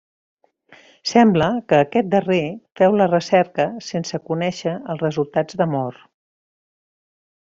Sembla que aquest darrer féu la recerca sense conèixer els resultats de Moore.